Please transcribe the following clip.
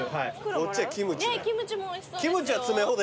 こっちはキムチだ。